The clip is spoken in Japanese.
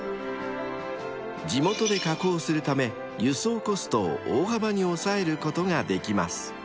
［地元で加工するため輸送コストを大幅に抑えることができます］